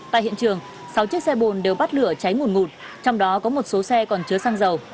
tại hiện trường sáu chiếc xe bồn đều bắt lửa cháy ngùn ngụt trong đó có một số xe còn chứa xăng dầu